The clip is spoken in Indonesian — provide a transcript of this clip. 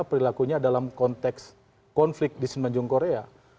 perilakunya dalam konteks konflik di semenjung korea